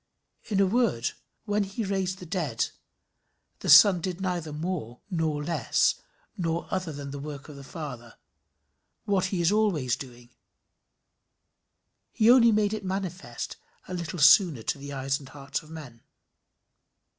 In a word, when he raised the dead, the Son did neither more nor less nor other than the work of the Father what he is always doing; he only made it manifest a little sooner to the eyes and hearts of men.